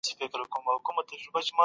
تاسې څنګه د خپل ژوند پرمختګ کوئ؟